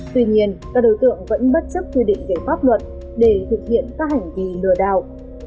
tuy nhiên các đối tượng vẫn bất chấp quy định về pháp luật để thực hiện các hành vi lừa đảo